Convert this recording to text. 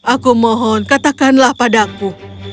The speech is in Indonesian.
aku mohon katakanlah padaku